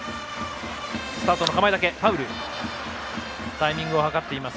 タイミングを図っています